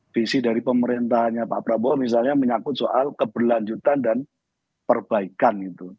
visi dari pemerintahnya pak prabowo misalnya menyangkut soal keberlanjutan dan perbaikan itu